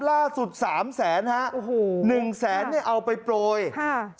สามแสนฮะโอ้โหหนึ่งแสนเนี่ยเอาไปโปรยค่ะ